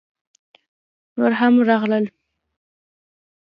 _نور هم راغلل!